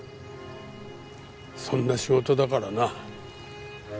そんな仕事だからな。